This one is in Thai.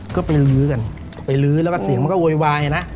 ก็ไปลื้อกันไปลื้อแล้วก็เสียงมันก็โวยวายนะ